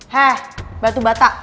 heh batu batak